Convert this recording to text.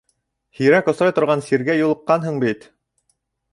— Һирәк осрай торған сиргә юлыҡҡанһың бит.